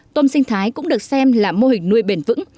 tôm sinh thái cũng được xem là mô hình nuôi bền vững